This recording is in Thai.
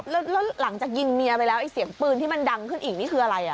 แล้วหลังจากยิงเมียไปแล้วไอ้เสียงปืนที่มันดังขึ้นอีกนี่คืออะไร